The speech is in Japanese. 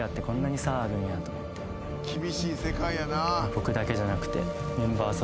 僕だけじゃなくて。